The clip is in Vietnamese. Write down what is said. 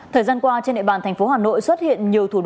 thời gian qua trên địa bàn thành phố hà nội xuất hiện nhiều thủ đoạn